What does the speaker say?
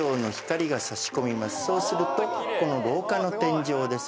そうするとこの廊下の天井です